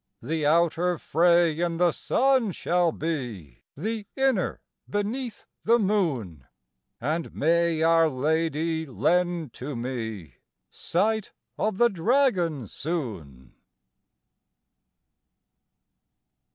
The outer fray in the sun shall be, The inner beneath the moon; And may Our Lady lend to me Sight of the Dragon soon!